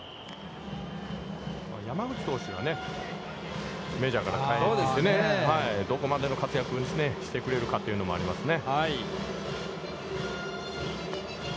山口投手がメジャーから帰ってきてどこまでの活躍をしてくれるかというのもありますね。